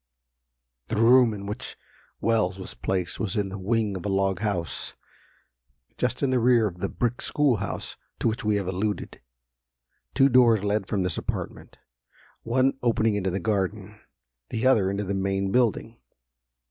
The room in which Wells was placed was in the wing of a log house, just in the rear of the brick school house to which we have alluded. Two doors led from this apartment, one opening into the garden, the other into the main building.